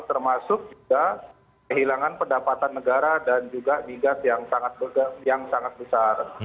termasuk juga kehilangan pendapatan negara dan juga migas yang sangat besar